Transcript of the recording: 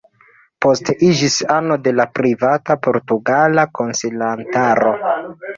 Poste iĝis ano de la Privata Portugala Konsilantaro.